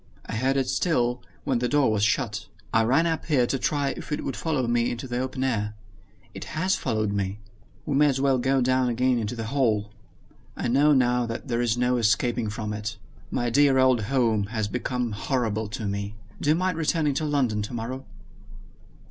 I heard it still, when the door was shut. I ran up here to try if it would follow me into the open air. It has followed me. We may as well go down again into the hall. I know now that there is no escaping from it. My dear old home has become horrible to me. Do you mind returning to London tomorrow?"